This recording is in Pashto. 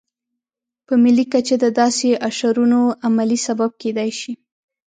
په ملي کچه د داسې اشرونو عملي سبب کېدای شي.